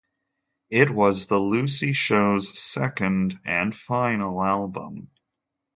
It was The Lucy Show's second, and final, album.